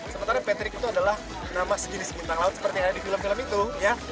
sementara patrick itu adalah nama sejenis bintang laut seperti yang ada di film film itu ya